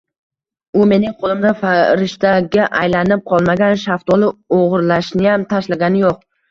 U mening qoʻlimda farishtaga aylanib qolmagan, shaftoli oʻgʻirlashniyam tashlagani yoʻq…